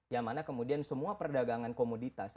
yang mana kemudian semua perdagangan komoditas